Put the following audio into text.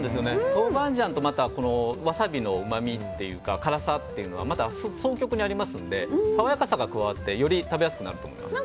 豆板醤とワサビのうまみというか辛さっていうのは双極にありますので爽やかさが加わってより食べやすくなると思います。